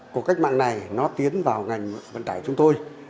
cuộc cách mạng này nó tiến vào ngành vận tải chúng tôi